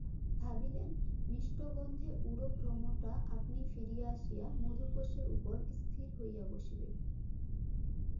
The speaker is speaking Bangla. ভাবিলেন, মিষ্টগন্ধে উড়ো ভ্রমরটা আপনি ফিরিয়া আসিয়া মধুকোষের উপর স্থির হইয়া বসিবে।